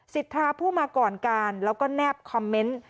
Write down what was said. สิทธาผู้มาก่อนการแล้วก็แนบคอมเมนต์